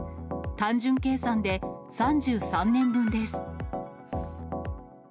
単純計算で３３年分です。